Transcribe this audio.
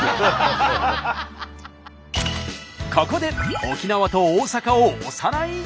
ここで沖縄と大阪をおさらい。